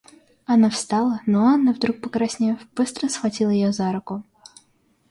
Она встала, но Анна, вдруг покраснев, быстро схватила ее за руку.